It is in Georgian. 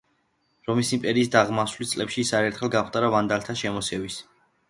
რომის იმპერიის დაღმასვლის წლებში ის არაერთხელ გამხდარა ვანდალთა შემოსევის საგანი.